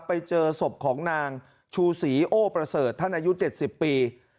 ไปเจอศพของนางชูศรีโอ้ประเสริฐท่านอายุ๗๐ปี